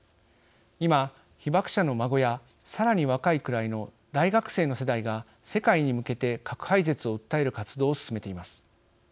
今、被爆者の孫やさらに若いくらいの大学生の世代が世界に向けて核廃絶を訴える活動を進めています。